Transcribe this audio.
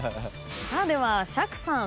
では釈さん。